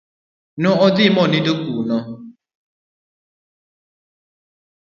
No dhi monindo kuno.